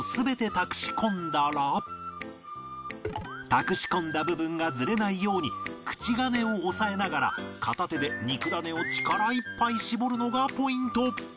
たくし込んだ部分がずれないように口金を押さえながら片手で肉だねを力いっぱい絞るのがポイント